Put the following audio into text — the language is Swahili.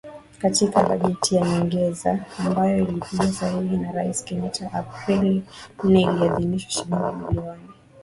Katika bajeti ya nyongeza ambayo ilipigwa sahihi na Rais Kenyatta Aprili nne , aliidhinisha shilingi bilioni thelathini na nne za Kenya